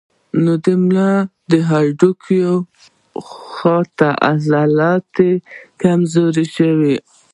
نو د ملا د هډوکي خواته عضلات ئې کمزوري شي